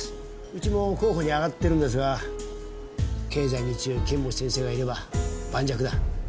うちも候補に挙がってるんですが経済に強い剣持先生がいれば盤石だ。